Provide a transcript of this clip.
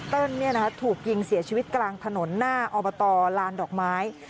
ถูกยิงเสียชีวิตกลางถนนหน้าอบตลานดอกไม้